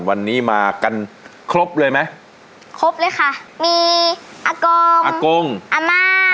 วันนี้มากันครบเลยไหม